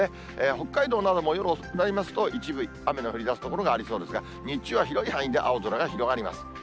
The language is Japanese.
北海道なども、夜遅くなりますと、一部雨の降りだす所がありそうですが、日中は広い範囲で青空が広がります。